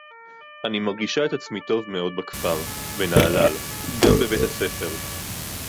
אני מרגישה את עצמי טוב מאוד בכפר, בנהלל, גם בבית־הספר.